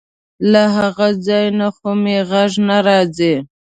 له هغه ځای نه خو مې غږ نه راځي.